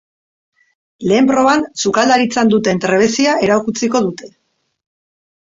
Lehen proban, sukaldaritzan duten trebezia erakutsiko dute.